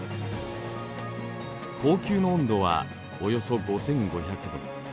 光球の温度はおよそ５，５００度。